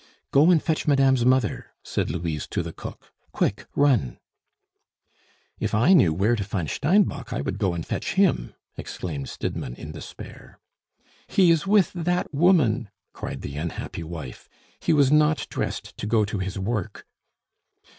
"Go and fetch madame's mother," said Louise to the cook. "Quick run!" "If I knew where to find Steinbock, I would go and fetch him!" exclaimed Stidmann in despair. "He is with that woman!" cried the unhappy wife. "He was not dressed to go to his work!"